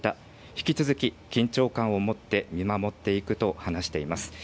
引き続き緊張感を持って見守っていくと話しています。